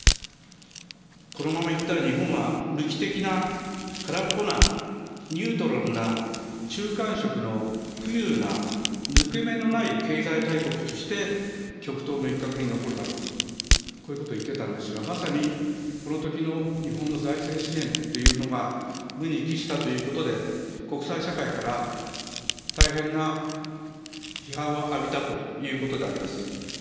このままいったら日本は無機的な、空っぽな、ニュートラルな中間色のふゆうな抜け目のない経済大国として、極東の一角に残るだろうと、こういうことを言ってたんですが、まさにこのときの日本の財政支援というのが無に帰したということで、国際社会から大変な批判を浴びたということであります。